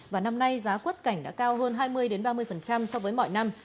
và năm nay giá quất cảnh đã cao hơn hai mươi ba mươi so với mùa xuân